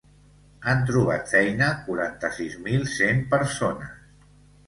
Han trobat feina quaranta-sis mil cent persones.